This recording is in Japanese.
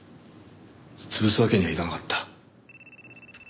潰すわけにはいかなかった。